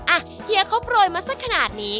เฮียเขาโปรยมาสักขนาดนี้